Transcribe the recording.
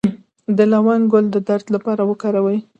د لونګ ګل د درد لپاره وکاروئ